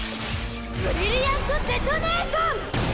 「ブリリアント・デトネーション」！